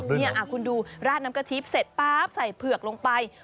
เผือกด้วยเหรออ่ะคุณดูราดน้ำกะทิเสร็จป๊าบใส่เผือกลงไป